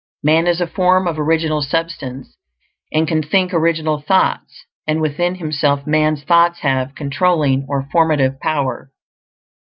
Man is a form of Original Substance, and can think original thoughts; and within himself, man's thoughts have controlling or formative power.